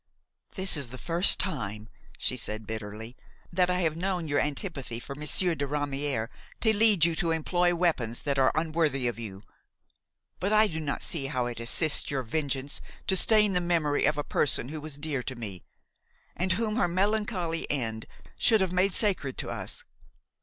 "This is the first time," she said bitterly, "that I have known your antipathy for Monsieur de Ramière to lead you to employ weapons that are unworthy of you; but I do not see how it assists your vengeance to stain the memory of a person who was dear to me, and whom her melancholy end should have made sacred to us.